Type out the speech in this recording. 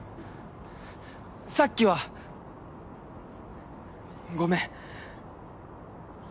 さっきはごめん。